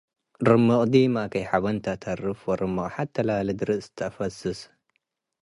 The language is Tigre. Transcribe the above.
ርምቅ ዲመ አከይ-ሐበን ተአተርፍ፡ ወርምቅ ሐቴ ላሊ ድርጽ ተአፈስስ።